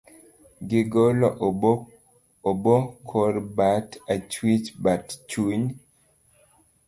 Gigol obo kor bat achwich but chuny